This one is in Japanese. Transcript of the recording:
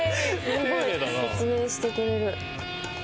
すごい説明してくれる。